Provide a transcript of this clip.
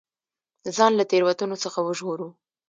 ځان له تېروتنو څخه وژغورو.